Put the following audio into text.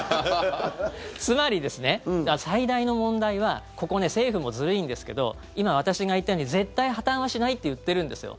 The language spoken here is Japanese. つまり、最大の問題はここ、政府もずるいんですけど今、私が言ったように絶対破たんはしないって言ってるんですよ。